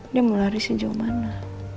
dia mau lari sejauh mana